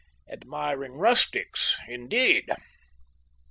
Admiring rustics, indeed!